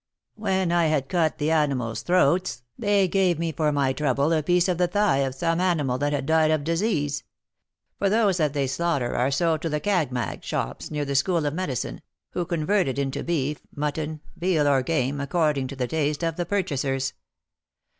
When I had cut the animals' throats, they gave me for my trouble a piece of the thigh of some animal that had died of disease; for those that they slaughter are sold to the 'cag mag' shops near the School of Medicine, who convert it into beef, mutton, veal, or game, according to the taste of purchasers.